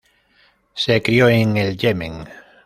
Se crió en el Yemen.